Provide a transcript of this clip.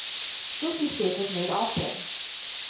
This mistake was made often.